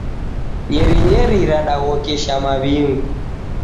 Nyerinyeri radaghokesha mawingu.